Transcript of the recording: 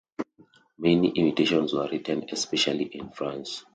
Many imitations were written, especially in France.